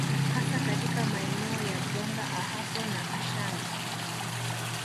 Hasa katika maeneo ya Bronga Ahafo na Ashant